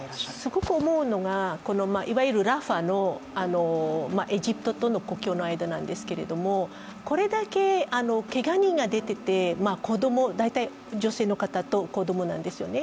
すごく思うのが、いわゆるラファのエジプトとの国境の間なんですけど、これだけけが人が出て、大体、女性の方と子供なんですよね。